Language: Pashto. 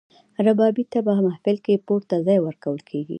ربابي ته په محفل کې پورته ځای ورکول کیږي.